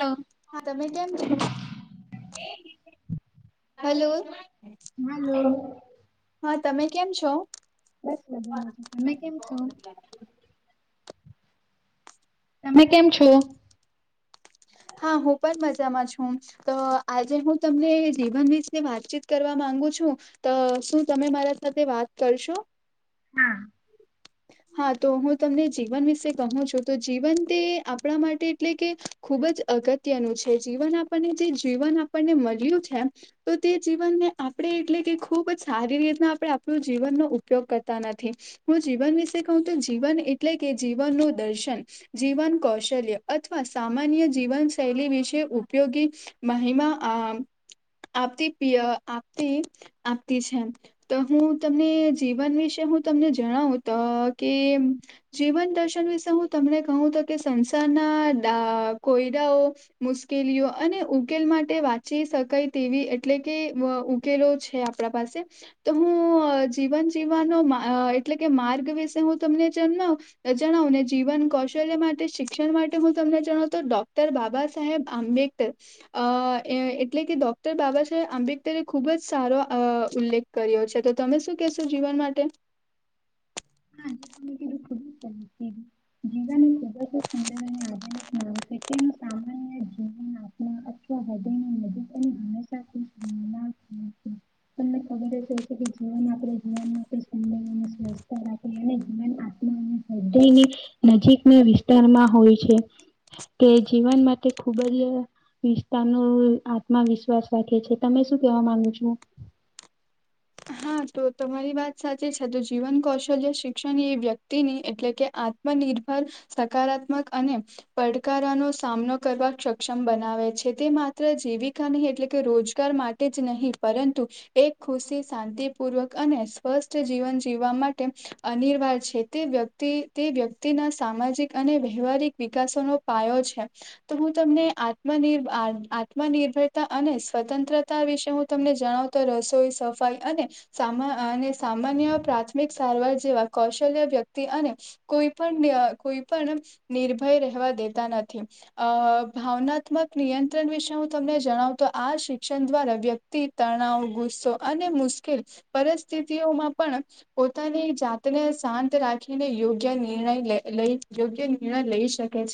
તો હા તમે કેમ છો હલો હાલો હા તમે કેમ છો બ સ બજામાં છું તમે કેમ છો તમે કેમ છો હા હું પણ મજામાં છું તો આજે હું તમને જીવન વિશે વાતચીત કરવા માંગુ છું તો શું તમે મારા સાથે વાત કરશો હા હા તો હું તમને જીવન વિશે કહું છું તો જીવન તે આપણા માટે એટલે કે ખૂબ જ અગત્યનું છે જીવન આપણને જે જીવન આપણને મળ્યું છે તો તે જીવનને આપણે એટલે કે ખુબ જ સારી રીતના આપણે આપણું જીવનનો ઉપ ઉપયોગ કરતા નથી હું જીવન વિશે કહું તો જીવન એટલે કે જીવનનું દર્શન જીવન કૌશલ્ય અથવા સામાન્ય જીવન શૈલી વિશે ઉપયોગી મહિમા આ આપતી પ આપતી આપતી છે તો હું તમને જીવન વિશે હું તમને જણાવું તો કે જીવન દર્શન વિશે હું તમને કહું તો કે સંસારના દા કોયડાઓ મુશ્કેલીઓ અને ઉકેલ માટે વાંચી શકાય તેવી એટલે કે ઉકેલો છે આપ આપડા પાસે તો હું જીવન જીવવાનો માં એટલે કે કે માર્ગ વિશે હું તમને જન્માવુ જણાવ ને જીવન કૌશલ્ય માટે શિક્ષણ માટે હું તમને જણાવ તો ડોક્ટર બાબા સાહેબ આંબેડકર અ એટલે કે ડોક્ટર બાબા સાહેબ આંબેડકરે ખુબ જ સારો અ ઉલ્લેખ કર્યો છે તો તમે શું કેશો જીવન માટે [unintelligible] ખુબજ સરસ કીધું જીવન ખુબજ સુંદર અને આધુનિક નામ છે તે સામાન્ય જીવન અથવા હૃદયને નજીક અને હંમેશા ખુશ રહેલા તમને ખબર જ હોય [unintelligible] એને જીવન આત્મા હૃદયની નજીકના વિસ્તારમાં હોય છે કે જીવન માટે ખૂબ જ વિસ્તાર ન આત્મવિશ્વાસ રાખે છે તમે શું કેવા માંગુ છો હા તો તમારી વાત સાચી છે તો જીવન કૌશલ્ય શિક્ષણ એ વ્યક્તિની એટલે કે આ માં નિર્ભર સકારાત્મક અને પડાકારનો સામનો કરવા ક્ષક્ષમ બનાવે છે તે માત્ર જીવિકા નહી એટલે કે રોજગાર માટે જ નહીં પરંતુ એક ખુશી શાંતિ પૂર્વક અને સ્વસ્થ જીવન જીવવા માટે અનિર્વાર છે તે વ્યક્તિ તે વ્યક્તિના સામાજિક અને વ્યવહારિક વિકાસોનો પાયો છે તો હું તમને આત્મનીર આ આત્મ આત્મનિર્ભરતા અને સ્વતંત્રતા વિશે હું તમને જણાવ તો રસોઈ સફાઈ અને સામા અને સામાન્ય પ્રાથમિક સારવાર જેવા કૌશલ્ય વ્યક્તિ અને કોઈ પણ કોઈ પણ નિર્ભય રહેવા દેતા નથી અ ભાવનાત્મક નિયંત્રણ વિશે હું તમને જણાવ તો આ શિક્ષણ દ્વારા વ્યક્તિ તણાવ ગુસ્સો અને મુશ્કેલ પરિસ્થિતિઓમાં પણ પોતાની જાતને શાંત રાખીને યોગ્ય નિર્ણય લઈ યોગ્ય નિર્ણય લઈ શકે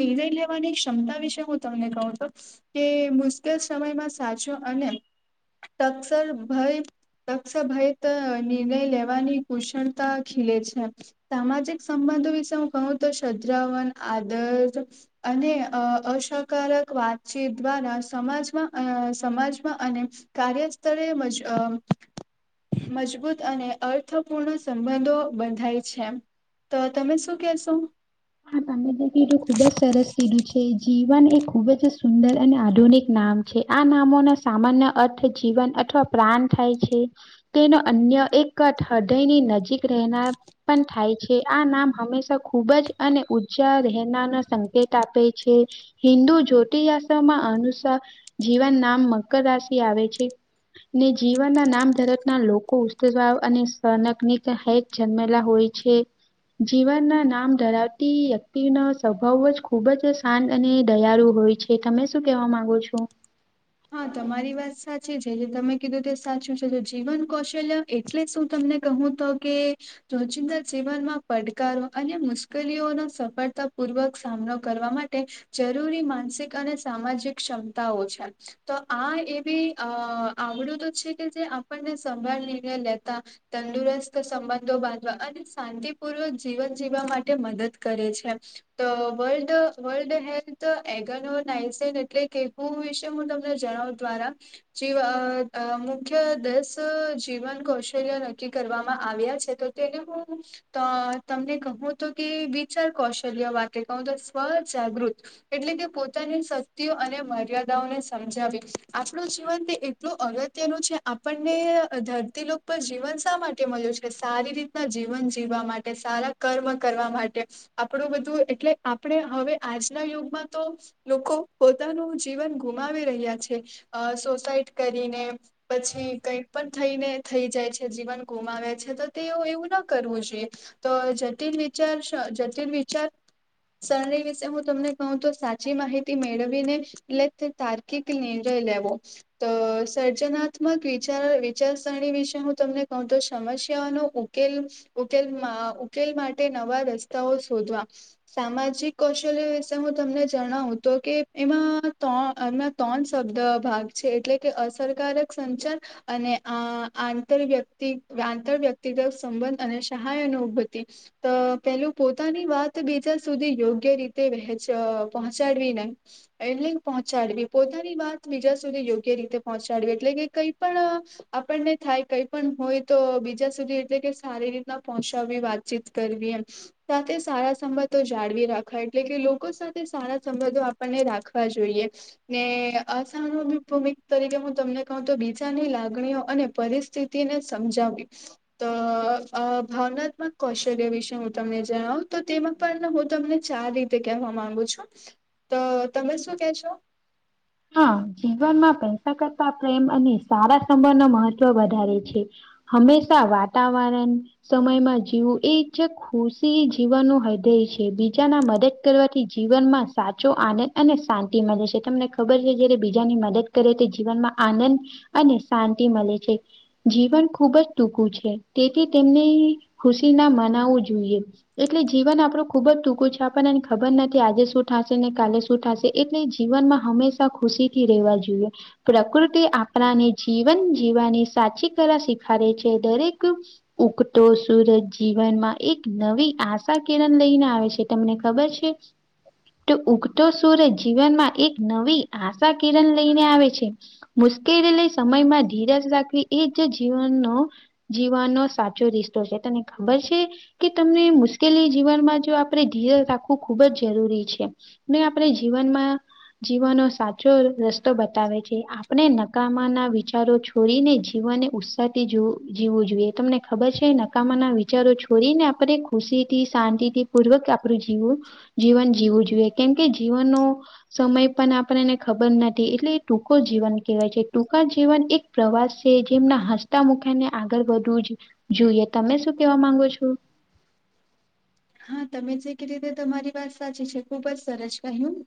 નિર્ણય લેવાની ક્ષમતા વિશે હું તમને કહું તો કે મુશ્કેલ સમયમાં સાચો અને ટક્ષર ભય ટક્ષભયત નિર્ણય લેવાની કુશળતા ખીલે છે સામાજિક સંબંધો વિશે હું કહું તો સાજરાવન આદર્શ અને અસકારક વાતચીત દ્વારા સમાજમાં અ સમાજમાં અને કાર્યસ્થળ મજ મજબૂત અને અર્થપૂર્ણ સંબંધો બંધાય છે તો તમે શું કેશો હા તમે જે કીધું ખુબ જ સરસ લીધું છે જીવન એ ખુબ જ સુંદર અને આધુનિક નામ જે આ નામોના સામાન્ય અર્થ જીવન અથવા પ્રાણ થાય છે તેનો અન્ય એક હૃદયની નજીક રહેનાર પણ થાય છે આ નામ હંમેશા ખુબ જ અને ઉર્જા રહેના ન સંકેત આપે છે હિન્દુ જ્યોતિસ્માં અનુસાર જીવન નામ મકર રાશિ આવે છે ને જીવનના નામ ધરક ના લોકો ઉ અને સનક હે જન્મેલા હોય છે જીવનના નામ ધરાવતા વ્યક્તિ ન સ્વભાવ જ ખુબ જ શાંત અને દયાળુ હોય છે તમે શું કેવા માંગો છો હા તમારી વાત સાચી છે જે તમે કીધું તે સાચું છે તો જીવન કૌશલ્ય એટલે શું તમને કહું તો કે રોજિંદા જીવનમાં પડકારો અને મુશ્કેલીઓનો સફળતા પૂર્વક સામનો કરવા માટે જરૂરી માનસિક અને સામાજિક ક્ષમતાઓ છે તો આ એવી અ આવડું તો છે કે જે આપણને સંભાળ નિર્ણય લેતા તંદુરસ્ત સંબંધો બાંધવા અને શાંતિપૂર્વક જીવન જીવવા માટે મદદ કરે છે તો વર્લ્ડ વર્લ્ડ હેલ્થ એગનોનાઇસન એટલે કેવું વિશે હું તમ જણ દ્વારા જી મુખ્ય દસ જીવન કૌશલ્યો નક્કી કરવામાં આવ્યા છે તો તેને હ તો તમને કહું તો કે વિચાર કૌશલ્ય વાક્ય કહું તો સ્વજાગૃત એટલે તે પોતાની શક્તિઓ અને મર્યાદાઓને સમજાવી આપણું જીવન એટલું અગત્યનું છે આપણને ધરતી ઉપ જીવન શા માટે મળ્યું છે સારી રીતના જીવન જીવવા માટે સારા કર્મ કરવા માટે આપણું બધું એટલે આપણે હવે આજના યુગમાં તો લોકો પોતાનું જીવન ગુમાવી રહ્યા છે અ સોસાઈટ કરીને પછી કંઈક પણ થઈને થઈ જાય છે જીવન ગુમાવે છે તો તેઓ એવું ના કરવું જોઈએ તો જટિલ વિચાર જટિલ વિચાર સરરી વિશે હું તમને કહું તો સાચી માહિતી મેળવી ને એટલે તારકિક લનીંજો લાવો તો સર્જનાત્મક વિચાર વિચારસરણી વિશે હું તમને કહઉ તો સમસ્યાનો ઉકેલ ઉકેલ ઉકેલ માટે નવા રસ્તાઓ શોધવા સામાજિક કૌશલ્ય વિશે હું તમને જણાવું તો કે એમાં ત્રણ એમના ત્રણ શબ્દ ભાગ છે એટલે કે અસરકારક સંચાર અને આ આંતર વ્યક્તિ આંતર વ્યક્તિગત સંબંધ અને સહાય ન ઉભતિ અ પેલું પોતાની વાત બીજા સુધી યોગ્ય રીતે વ પહોંચાડવી ને એલિંગહોં પહચાડવી પોતાની વાત બીજા સુધી યોગ્ય રીતે પહોંચાડવી એટલે કે કઈ પણ આપણને થાય કઈ પણ હોય તો બીજા સુધી એટલે કે સારી રીતના પહોંચાવી વાતચીત કરવી એમ સાથે સારા સંબંધો જાળવી રાખવા એટલે કે લોકો સાથે સારા સંબંધો આપણને રાખવા જોઈએ ને અસાણ ભૂમિક તરીકે હું તમને કહ તો બીજાની લાગણીઓ અને પરિસ્ સ્થિતિ ને સમજાવી તો ભાવનાત્મક કૌશલ્ય વિશે હું તમને જણાવું તો તેમાં પણ હું તમને ચાર રીતે કહેવા માંગુ છું તો તમે શું કે છો હા જીવનમાં પૈસા કરતા પ્રેમ અને સારા સંબંધ ન મહત્વ વધારે છે હમેશા વાતાવરણ સમયમાં જીવું એ છે ખુશી જીવવાનું હૃદેય છે બીજાના મદદ કરવાથી જીવન માં સાચો આનંદ અને શાંતિ મળે છે તમને ખબર છે જ્યારે બીજાની મદદ કરે તે જીવનમાં આનંદ અને શાંતિ મળે છે જીવન ખુબ જ ટૂંકું છે તેથી તેમને ખુશી ના માનાવો જોઈએ એટલે જીવન આપણું ખુબ જ ટૂંકું છે આપણનેને ખબર નથી આજે શું થાશે ને કાલે શું થાશે એટલે જીવનમાં હંમેશા ખુશી થી રહેવા જોઈએ પ્રકૃતિ આપણાને જીવન જીવવાની સાચી કલા શીખારે છે દરેક ઉગતો સુરજ જીવનમાં એક નવી આશા કિરણ લઈને આવે છે તમને ખબર છે તો ઉગતો સુૂર જીવનમાં એક નવી આશા કિરણ લઈને આવે છે મુશ્કેલીલી સમયમાં ધીરાજ રાખવી એ જ જીવનનો જીવાનનો સાચો રિસ્તો છે તને ખબર છે કે તમને મુશ્કેલી જીવનમાં જો આપણે ધીર રાખવું ખુબ જ જરૂરી છે આપણે જીવનમાં જીવનો. સાચો રસ્તો બતાવે છે. આપણે નકામા ના વિચારો છોડીને જીવનને ઉ જીવું જોઈએ તમને ખબર છે નકામા ના વિચારો છોડી ને આપે ખુશી થી શાંતિ થી પૂર્વક આપણું જીવ જીવન જીવું જોઈએ કેમકે જીવનનો સમય પણ આપને ખબર નથી એટલે એ ટૂંકો જીવન કહેવાય છે ટૂંકા જવન એક પ્રવાસ છે જેમના હસતા મુખ્યા ને આગળ વધવું જ જોુઈએ તમે શું કેવા માંગો છો હા તમે જે ક રીતે તમારી વાત સાચી છે ખુબ જ સરસ કહ્યું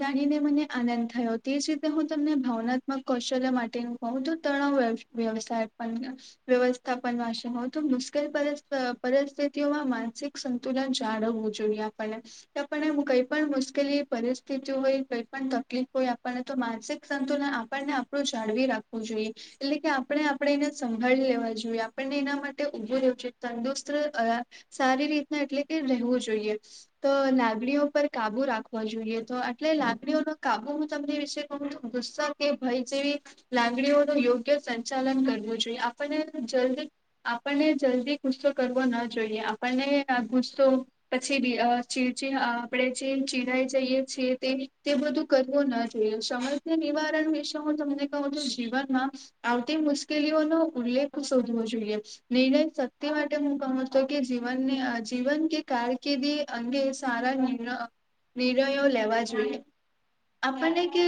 જાણીને મને આનંદ થયો તે જ રીતે હું તમને ભાવનાત્મક કૌશલ્ય માટેનું કહું તો તણાવ વ્યવસાય પણ વ્યવસ્થાપનશે હો તો મુશ્કેલ પરિસ્થિતિઓમાં માનસિક સંતુલન જાળવવું જોઈએ આપણને, કે આપણને કઈ પણ મુશ્કેલી પરિસ્થિતિ હોય કઈ પણ તકલીફ હોય આપણને તો માનસિક સંતુલન આપણને આપણું જાળવી રાખવું જોઈએ એટલે કે આપણે આપણે એને સંભાળી લેવા જોઈએ આપણને એના માટે ઉઊભું રહેવું જોઈએ તંદુસ્ત સારી રીતના એટલે કે રહેવું જોઈએ તો લાગણીઓ પર કાબુ રાખવા જોઈએ તો એટલે લાગણીઓનો કાબુ હું તમને વિશે બ દુસ્સ કે ભય જેવી લંગડીઓ ન યોગ્ય સંચાલન કરવું જોઈએ આપણને જલ્દી આપણને જલ્દી ગુસ્સો કરવો ના જોઈએ આપણને ગુસ્સો પછી ચીડચી આપણેે જે ચીડાઈ જઈએ છેીએ તે તે બધું કરવો ના જોઈએ સમજને નિવારણ વિશે હું તમને કહું છું જીવનમાં આવતી મુશ્કેલીઓ નો ઉલ્લેખ શોધવો જોઈએ નિર્ણય શક્તિ માટે હું કહું છું કે જીવનને જીવન કે કારકિર્દી અંગે સારાણ નિર્ણયો લેવા જોઈએ આપણને કે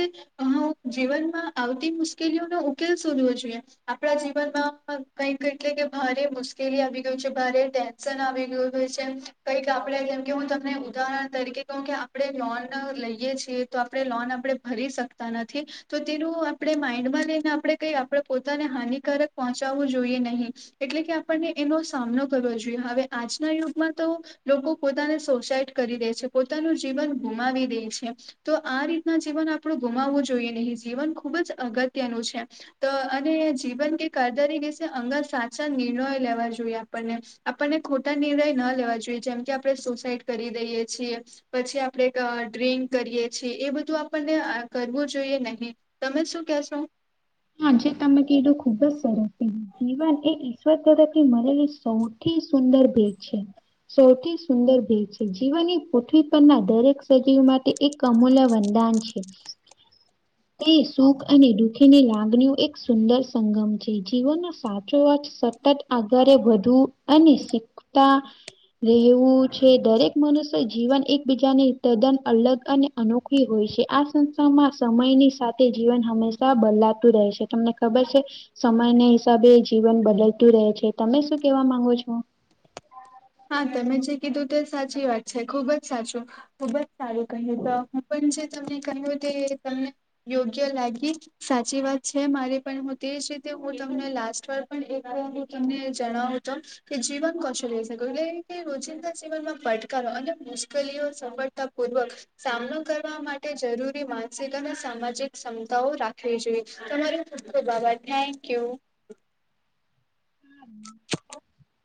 જીવનમાં આવતી મુશ્કેલીઓ નો ઉકેલ શોધવો જોઈએ આપણા જીવનમાં કઈક એટલે કે ભારે મુશ્કેલી આવી ગયું છે ભારે ટેન્શન આવી ગયું ય છે કઈક આપે જેમકે હું તમને ઉદાહરણ તરીકે કહ કે આપણે લોન લઈયએ છીએ તો આપણે લોન આપણે ભરી શકતા નથી તો તેનું આપણે માઈન્ડમાં લઈને આપણે કઈ આપણે પોતાને હાનિકારક પહોંચાવું જોઈએ નહીિ એટલે કે આપણને એનો સામનો કરવો જોઈએ હવે આજ ના યુગમાં તો લોકો પોતાને સોસાઈડ કરી દે છે પોતાનું જીવન ગુમાવી દે છે તો આ રીતના જીવન આપણું ગુમાવવું જોઈએ નહીં જીવન ખુબ જ અગત્યનું છે તો અને જીવન કે કરદારી કે છે અંગર સાચા નિર્ણયો લેવા જોઈએ આપણને આપણને ખોટ નિર્ણય ન લેવા જોઈએ જેમ કે આપણે સુસાઈડ કરી દઈએ છીએ પછી આપણે ડ્રિંક કરીએ છીએ એ બધું આપણને કરવું જોઈએ નહીિ તમે શું કેશો હા જે તમે કીધું ખુબ જ સરસ છે જીવન એ ઈશ્વર તરફથી મળેલી સો સુંદર ભેગ છે સૌથી સુંદર ભેદ છે જીવનની પૃથ્વી પરના દરેક સજીવ માટે. એક કમોલા વંદાન છે તે સુખ અને દુખીને લાંબ. એક સુંદર સંગમ છે જીવનનો સાચો વા. સતત આગળ વધુ અને શીખતા. રહેવું છે દરેક મનુષ્ય જીવન એકબીજાને તદ્દન અલગ અને. અનોખી હોય છે આ સંસ્થામાં સમયની સાથે જીવન હંમેશા બદલા. રહે છે તમને ખબર છે. સમય ના હિસાબે જીવન બદલતું રહે છે તમે શું કેવા માંગો છો. હા તમે જે કીધું તે સાચી વાત છે ખુબ જ સાચું. ખુબ જ સારું કહ્યું તો હું પણ જે તમને કહ્યું તે તમને. યોગ્ય લાગી સાચી વાત છે મારે પણ હું તેજ રીતે હું તમને લાસ્ટ વાર. પણ એક વાર હું તમને જણાવું તો કે જીવન કશો લે શ. ઘણી રીતે રોજિંદા જીવનમાં પડકારો અને મુશ્કેલીઓ સફળતા પૂર્વક. સામનો કરવા માટે જરૂરી માનસિક અને સામાજિક ક્ષમતાઓ રાખવી જોઈએ તમારે. ઓકે બાબા થેન્ક યુ.